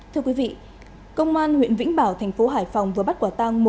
thưa quý vị công an huyện vĩnh bảo thành phố hải phòng vừa bắt quả tang